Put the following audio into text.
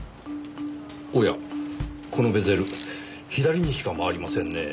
おやこのベゼル左にしか回りませんねぇ。